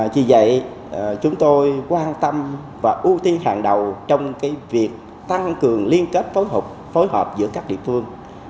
vì vậy chúng tôi quan tâm và ưu tiên hàng đầu trong cái việc tăng cường liên kết phối hợp giữa các địa phương